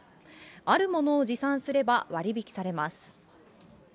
あるものを持参すれば、割引されます。